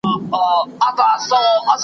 ستا غیبت مي تر هیڅ غوږه نه دی وړی .